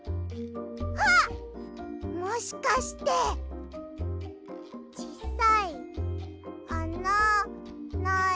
もしかしてちっさいあなない。